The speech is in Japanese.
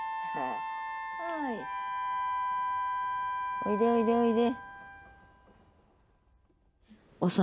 おいでおいでおいで。